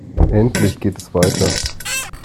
Endlich geht es weiter!